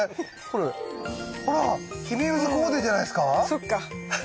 そっか。